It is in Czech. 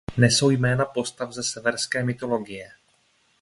Nesou jména postav ze severské mytologie.